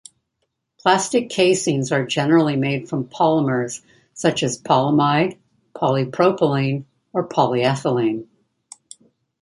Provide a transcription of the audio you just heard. Plastic casings are generally made from polymers such as polyamide, polypropylene, or polyethylene.